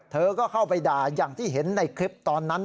เธอก็เข้าไปด่าอย่างที่เห็นในคลิปตอนนั้น